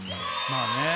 まあね